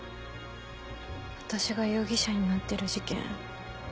私が容疑者になってる事件